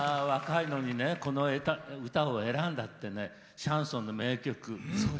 若いのにこの歌を選んだってねシャンソンの名曲。